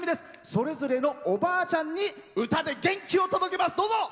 それぞれのおばあちゃんに歌で元気を届けます。